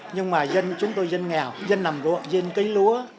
nhưng mà dân chúng tôi dân nghèo dân nằm gụ dân cây lúa